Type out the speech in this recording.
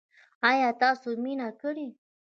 ایا تاسو مینه کړې؟